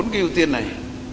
bốn cái ưu tiên này